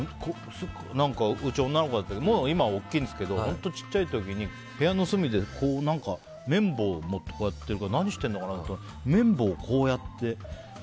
うち、女の子だったけどもう今は大きいんですけど本当小さい時に部屋の隅で、何か綿棒を持ってこうやってるから何してるのかと思ったら綿棒をこうやって。